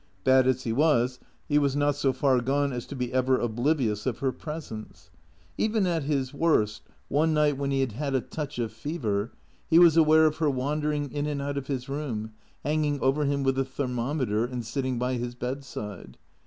Bad as he was, he was not so far gone as to be ever oblivious of her presence. Even at his worst, one night when he had had a touch of fever, he was aware of her wandering in and out of his room, hanging over him with a thermometer, and sitting by his bedside.